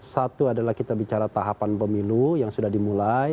satu adalah kita bicara tahapan pemilu yang sudah dimulai